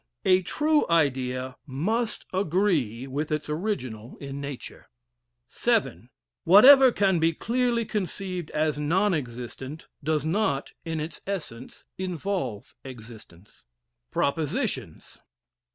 A true idea must agree with its original in nature. VII. Whatever can be clearly conceived as non existent does not, in its essence, involve existence. PROPOSITIONS.